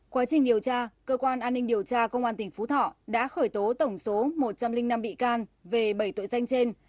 quá trình điều tra cơ quan an ninh điều tra công an tỉnh phú thọ đã khởi tố tổng số một trăm linh năm bị can về bảy tội danh trên